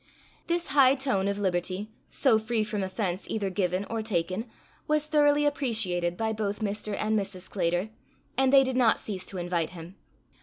This high tone of liberty, so free from offence either given or taken, was thoroughly appreciated by both Mr. and Mrs. Sclater, and they did not cease to invite him.